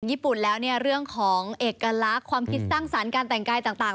ญี่ปุ่นแล้วเนี่ยเรื่องของเอกลักษณ์ความคิดสร้างสรรค์การแต่งกายต่าง